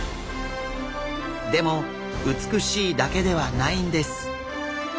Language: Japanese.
でも美しいだけではないんです。